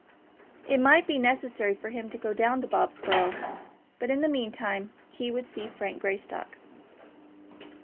It might be necessary for him to go down to Bobsborough; but in the meantime he would see Frank Greystock.